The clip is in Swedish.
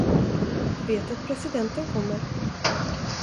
Du vet att presidenten kommer?